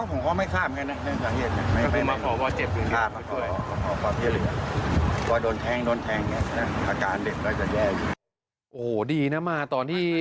โอ้โหดีนะมาตอนที่